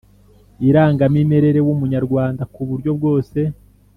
irangamimerere w umunyarwanda ku buryo bwose